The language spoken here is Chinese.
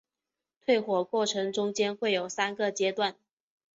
退火过程中间会有三个阶段。